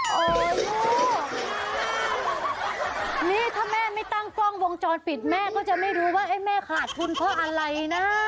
นี่ถ้าแม่ไม่ตั้งกล้องวงจรปิดแม่ก็จะไม่รู้ว่าแม่ขาดทุนเพราะอะไรนะ